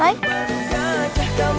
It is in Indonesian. ketik barung kacang